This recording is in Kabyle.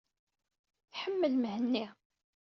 Tḥemmel Mhenni.